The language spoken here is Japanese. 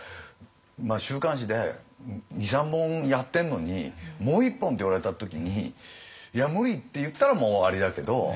週刊誌で２３本やってんのにもう１本って言われた時に「いや無理！」って言ったらもう終わりだけど。